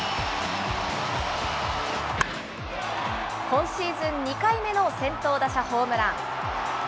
今シーズン２回目の先頭打者ホームラン。